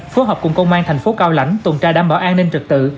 phối hợp cùng công an thành phố cao lãnh tuần tra đảm bảo an ninh trực tự